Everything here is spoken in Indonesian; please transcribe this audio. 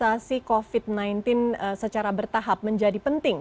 mengapa imunisasi covid sembilan belas secara bertahap menjadi penting